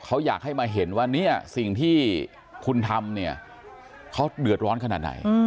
เขาอยากให้มาเห็นว่าเนี่ยสิ่งที่คุณทำเนี่ยเขาเดือดร้อนขนาดไหน